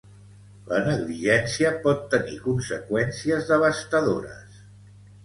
La negligència pot tenir conseqüències devastadores.